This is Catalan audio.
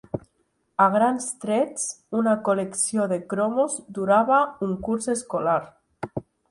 A grans trets, una col·lecció de cromos durava un curs escolar.